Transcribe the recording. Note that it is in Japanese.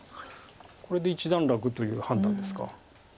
これで一段落という判断ですか。